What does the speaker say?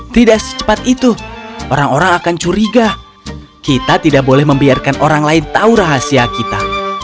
tidak secepat itu orang orang akan curiga kita tidak boleh membiarkan orang lain tahu rahasia kita